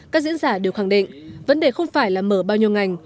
các diễn giả đều khẳng định vấn đề không phải là mở bao nhiêu ngành